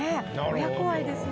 親子愛ですね。